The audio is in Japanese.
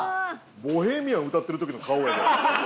『ボヘミアン』歌ってる時の顔やで。